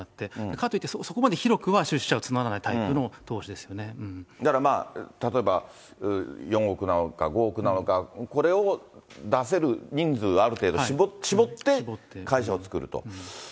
かといってそこまで広くは出資者だから例えば４億なのか５億なのか、これを出せる人数、ある程度、絞って会社を作ると。